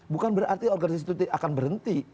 bukan berarti organisasi itu akan berhenti